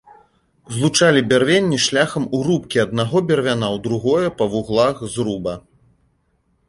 Злучалі бярвенні шляхам урубкі аднаго бервяна ў другое па вуглах зруба.